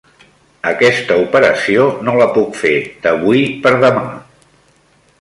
Aquesta operació no la puc fer d'avui per demà.